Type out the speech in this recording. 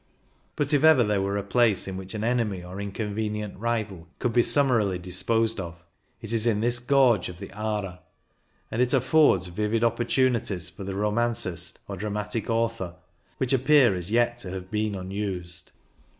But if ever there were a place in which an enemy or inconvenient rival could be summarily disposed of, it is in this gorge of the Aare, and it affords 148 CYCUNG IN THE ALPS vivid opportunities for the romancist or dramatic author, which appear as yet to have been unused.